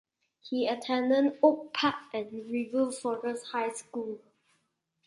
He attended Oak Park and River Forest High School.